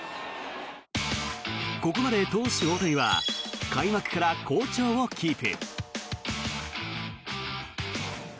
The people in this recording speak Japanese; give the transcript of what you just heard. ここまで投手・大谷は開幕から好調をキープ。